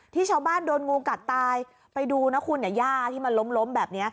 ชาวบ้านโดนงูกัดตายไปดูนะคุณย่าที่มันล้มล้มแบบนี้